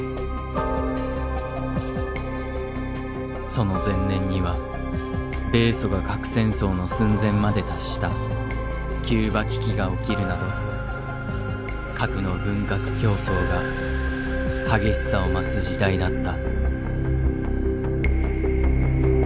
その前年には米ソが核戦争の寸前まで達したキューバ危機が起きるなど核の軍拡競争が激しさを増す時代だった。